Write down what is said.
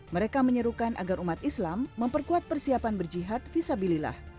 mereka menyerukan agar umat islam memperkuat persiapan berjihad visabilillah